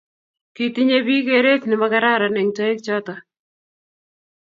Kitinyei biik geret nemagararan eng toek choto